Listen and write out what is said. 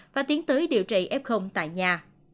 và tiến tới điều trị f tại nhà